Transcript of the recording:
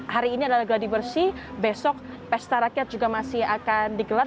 hari ini adalah geladi bersih besok pesta rakyat juga masih akan digelar